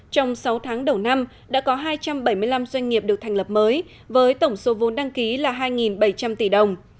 trong sáu tháng đầu năm đã có hai trăm bảy mươi năm doanh nghiệp được thành lập mới với tổng số vốn đăng ký là hai bảy trăm linh tỷ đồng